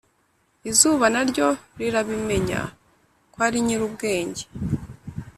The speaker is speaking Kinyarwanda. Izuba naryo rirabimenya ko uri nyirubwenge